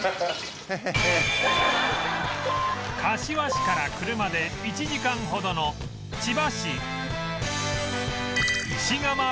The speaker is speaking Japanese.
柏市から車で１時間ほどの千葉市